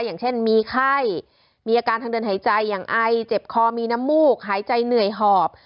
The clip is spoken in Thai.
อย่างเช่นมีไข้มีอาการทางเดินหายใจอย่างไอเจ็บคอมีน้ำมูกหายใจเหนื่อยหอบ